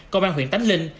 công an huyện tánh linh